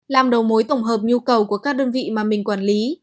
làm đầu mối tổng hợp nhu cầu của các đơn vị mà mình quản lý